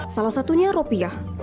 salah satunya ropiah